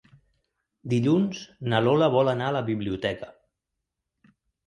Dilluns na Lola vol anar a la biblioteca.